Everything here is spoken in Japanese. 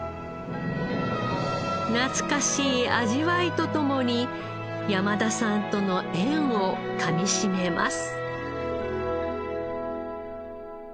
懐かしい味わいと共に山田さんとの縁をかみしめます。